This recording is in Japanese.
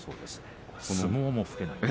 相撲も老けない。